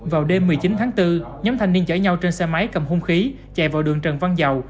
vào đêm một mươi chín tháng bốn nhóm thanh niên chở nhau trên xe máy cầm hung khí chạy vào đường trần văn dầu